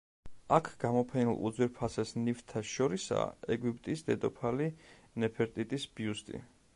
აქ გამოფენილ უძვირფასეს ნივთთა შორისაა ეგვიპტის დედოფალი ნეფერტიტის ბიუსტი.